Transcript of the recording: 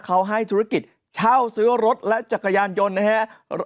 เขาให้ธุรกิจเช่าซื้อรถและจักรยานยนต์นะครับ